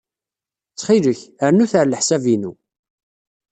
Ttxil-k, rnu-t ɣer leḥsab-inu.